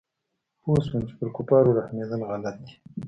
پوه سوم چې پر کفارو رحمېدل غلط دي.